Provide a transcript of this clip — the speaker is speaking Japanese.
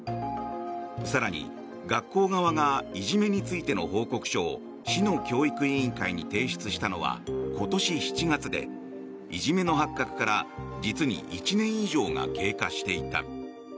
更に、学校側がいじめについての報告書を市の教育委員会に提出したのは今年７月でいじめの発覚から実に１年以上が経過していた。